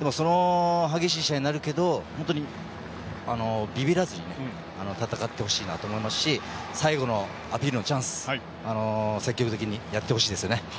激しい試合になるけどびびらずに戦ってほしいなと思いますし最後のアピールのチャンスなので積極的にやってほしいです。